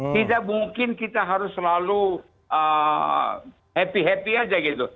tidak mungkin kita harus selalu happy happy aja gitu